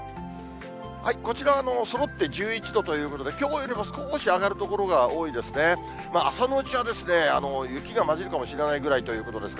こちらはそろって１１度ということで、きょうよりも少し上がる所が多いですね。